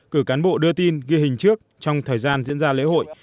cử cán bộ đưa tin ghi hình trước trong thời gian diễn ra lễ hội